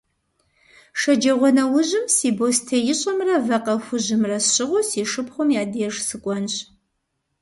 Шэджагъуэнэужьым си бостеищӏэмрэ вакъэ хужьымрэ сщыгъыу си шыпхъум я деж сыкӏуэнщ.